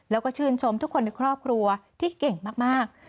แล้วก็ชื่นชมทุกคนในครอบครัวที่เก่งมาก